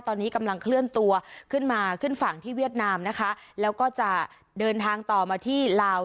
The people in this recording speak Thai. ตอนนี้กำลังเคลื่อนตัวขึ้นมาขึ้นฝั่งที่เวียดนามนะคะแล้วก็จะเดินทางต่อมาที่ลาว